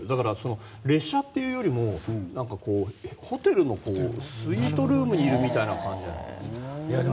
列車というよりもホテルのスイートルームにいるみたいな感じで。